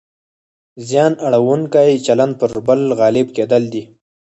زیان اړونکی چلند پر بل غالب کېدل دي.